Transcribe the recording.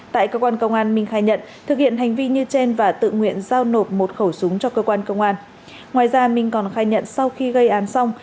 tại cơ quan công an minh khai nhận thực hiện hành vi như trên và tự nguyện giao nộp một khẩu súng cho cơ quan công an